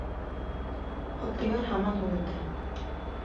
— Ҡотлояр һаман һүгенде.